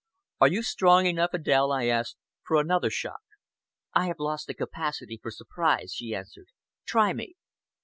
"Are you strong enough, Adèle," I asked, "for another shock?" "I have lost the capacity for surprise," she answered. "Try me!"